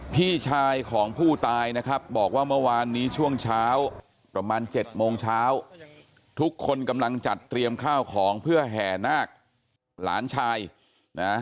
พี่ชายของผู้ตายนะครับบอกว่าเมื่อวานนี้ช่วงเช้าประมาณ๗โมงเช้าทุกคนกำลังจัดเตรียมข้าวของเพื่อแห่นาคหลานชายนะ